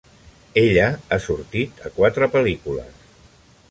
Ella ha sortit a quatre pel·lícules.